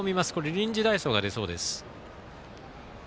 臨時代走が出そうです。